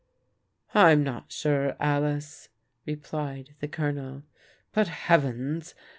" I'm not sure, Alice," replied the Colonel. " But heavens